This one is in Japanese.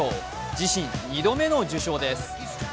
自身２度目の受賞です。